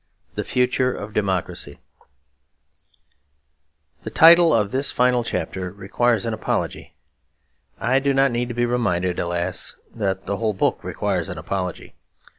The Future of Democracy The title of this final chapter requires an apology. I do not need to be reminded, alas, that the whole book requires an apology.